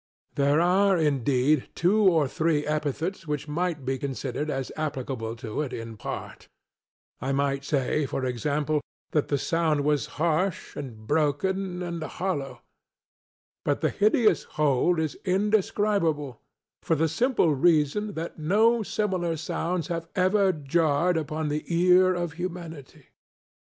There are, indeed, two or three epithets which might be considered as applicable to it in part; I might say, for example, that the sound was harsh, and broken and hollow; but the hideous whole is indescribable, for the simple reason that no similar sounds have ever jarred upon the ear of humanity.